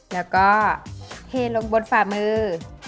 แล้วก็เทลงบนฝ่ามือ